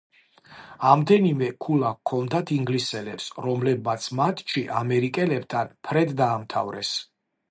ამდენივე ქულა ჰქონდათ ინგლისელებს, რომლებმაც მატჩი ამერიკელებთან ფრედ დაამთავრეს.